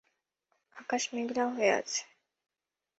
আকাশ মেঘলা হয়ে আছে।